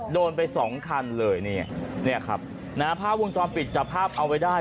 โดนไป๒คันเลยนี่ครับภาพวงทรัพย์ปิดจับภาพเอาไว้ได้